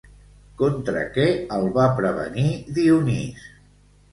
Contra què el va prevenir Dionís?